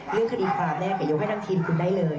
เรื่องคดีความแน่ไปยกให้ทั้งทีมคุณได้เลย